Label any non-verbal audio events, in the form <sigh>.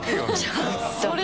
ちょっと <laughs>